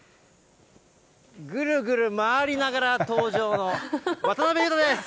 ぐるぐる回りながら登場の渡辺裕太です。